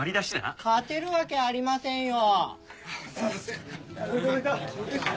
勝てるわけありませんよ。